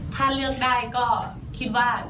ถ้าเลือกได้ก็คิดว่า